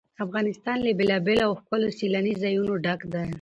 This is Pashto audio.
افغانستان له بېلابېلو او ښکلو سیلاني ځایونو ډک دی.